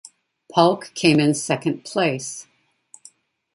Paulk came in second place.